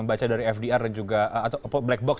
membaca dari fdr dan juga atau black box